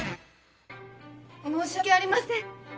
申し訳ありません！